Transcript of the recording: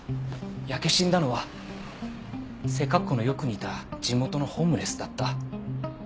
焼け死んだのは背格好のよく似た地元のホームレスだった。